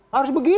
harus begitu dong